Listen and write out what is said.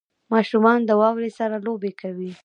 • ماشومان د واورې سره لوبې کوي.